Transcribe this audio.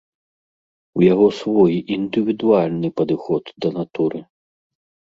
У яго свой, індывідуальны падыход да натуры.